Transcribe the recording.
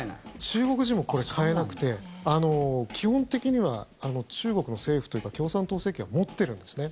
中国人もこれ、買えなくて基本的には中国の政府というか共産党政権が持ってるんですね。